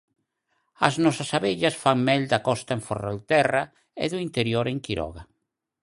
As nosas abellas fan mel da costa en Ferrolterra e do interior en Quiroga.